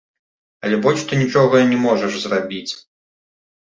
Але больш ты нічога не можаш зрабіць.